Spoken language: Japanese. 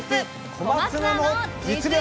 小松菜の実力！